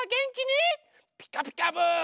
「ピカピカブ！」。